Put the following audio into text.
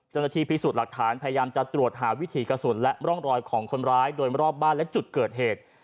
เจ้าหน้าที่พิสูจน์หลักฐานพยายามจะตรวจหาวิถีกระสุนและร่องรอยของคนร้ายโดยรอบบ้านและจุดเกิดเหตุ